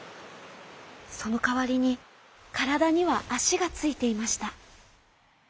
そのかわりにからだにはあしがついていました。